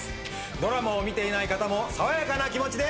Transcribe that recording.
ドラマを見ていない方も爽やかな気持ちで。